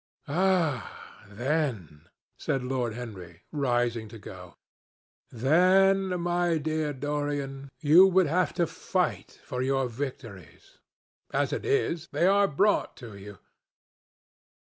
"Ah, then," said Lord Henry, rising to go, "then, my dear Dorian, you would have to fight for your victories. As it is, they are brought to you.